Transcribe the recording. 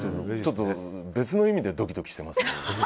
別の意味でドキドキしてます。